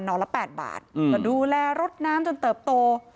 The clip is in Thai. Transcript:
ละ๘บาทก็ดูแลรถน้ำจนเติบโต